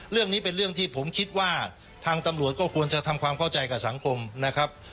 เรื่องนี้เป็นเรื่องที่ผมคิดว่าทางตำรวจก็ควรจะทำความเข้าใจกับสังคมนะครับ